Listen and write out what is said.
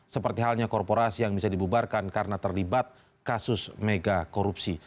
seperti halnya korporasi yang bisa dibubarkan karena terlibat kasus mega korupsi